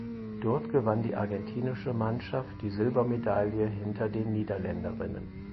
Dort gewann die argentinische Mannschaft die Silbermedaille hinter den Niederländerinnen.